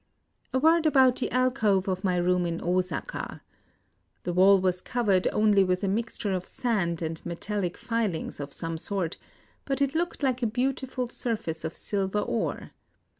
A word about the alcove of my room in Osaka :— The wall was covered only with a mixture of sand and metallic filings of some sort, but it looked like a beautiful surface of silver ore.